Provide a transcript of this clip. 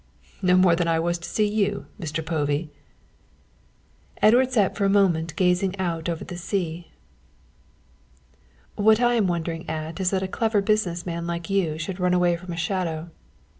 "Not more than I was to see you, Mr. Povey." Edward sat for a moment gazing out over the sea. "What I'm wondering at is that a clever business man like you should run away from a shadow."